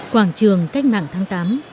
quảng trường cách mạng tháng tám